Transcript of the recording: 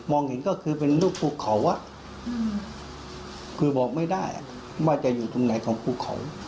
เห็นก็คือเป็นรูปภูเขาคือบอกไม่ได้ว่าจะอยู่ตรงไหนของภูเขา